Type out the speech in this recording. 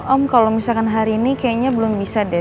om kalau misalkan hari ini kayaknya belum bisa deh